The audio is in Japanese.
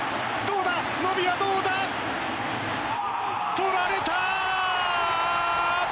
とられた！